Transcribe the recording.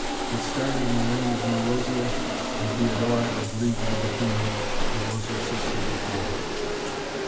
It started in the reign of Marozia, and Theodora is leagued with the fiend, as was her sister before her."